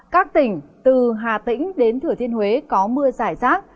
các tỉnh từ hà tĩnh đến thừa thiên huế có mưa giải rác